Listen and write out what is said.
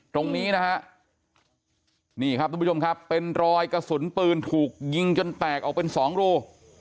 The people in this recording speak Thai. ตรงนี้นะฮะนี่ครับทุกผู้ชมครับเป็นรอยกระสุนปืนถูกยิงจนแตกออกเป็นสองรู